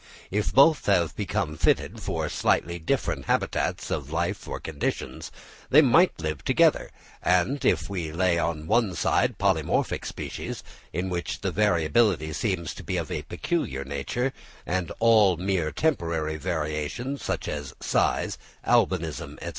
If both have become fitted for slightly different habits of life or conditions, they might live together; and if we lay on one side polymorphic species, in which the variability seems to be of a peculiar nature, and all mere temporary variations, such as size, albinism, &c.